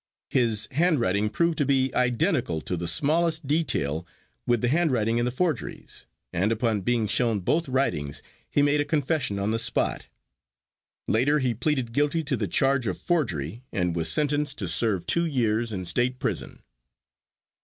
His handwriting proved to be identical to the smallest detail, with the handwriting in the forgeries, and upon being shown both writings he made a confession on the spot. Later he pleaded guilty to the charge of forgery and was sentenced to serve two years in state prison.